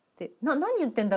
「何言ってんだろ？